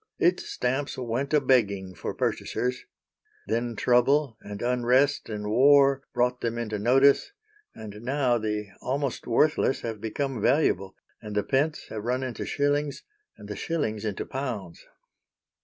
Its stamps went a begging for purchasers. Then trouble, and unrest, and war brought them into notice, and now the almost worthless have become valuable, and the pence have run into shillings, and the shillings into pounds.